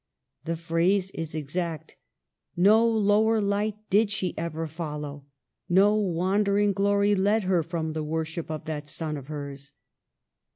The phrase is exact ; no lower hght did she ever follow, no wandering glory led her from the worship of that sun of hers.